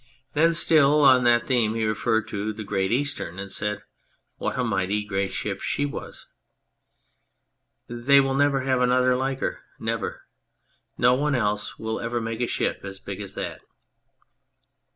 ..." Then, still on that theme, he referred to the Great Eastern and said what a mighty great ship she was. " They will never have another like her never ! No one else will ever make a ship as big as that